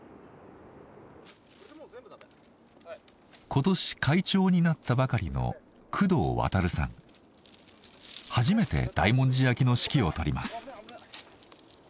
今年会長になったばかりの初めて大文字焼きの指揮を執ります。